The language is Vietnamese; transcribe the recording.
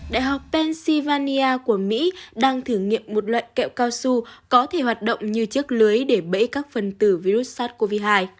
đại học pennsylvania của mỹ đang thử nghiệm một loại kẹo cao su có thể hoạt động như chiếc lưới để bẫy các phần tử virus sars cov hai